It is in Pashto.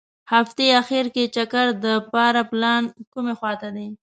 هغتې اخیر کې چکر دپاره پلان کومې خوا ته دي.